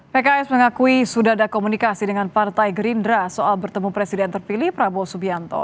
pks mengakui sudah ada komunikasi dengan partai gerindra soal bertemu presiden terpilih prabowo subianto